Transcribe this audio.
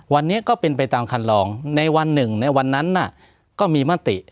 วันนี้ก็เป็นไปตามคันลองในวันหนึ่งในวันนั้นก็มีมติ